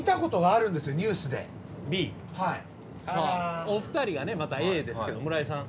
さあお二人がねまたＡですけど村井さん。